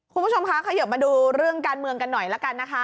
คุณผู้ชมคะขยบมาดูเรื่องการเมืองกันหน่อยละกันนะคะ